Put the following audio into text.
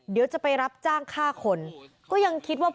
เดี๋ยวจะไปรับจ้างฆ่าคนก็ยังคิดว่า